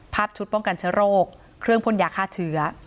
ชุดป้องกันเชื้อโรคเครื่องพ่นยาฆ่าเชื้อ